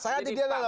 saya ada di dalam